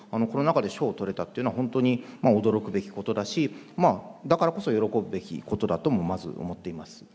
この中で賞をとれたというのは、本当に驚くべきことだし、だからこそ喜ぶべきことだとも、まず思っています。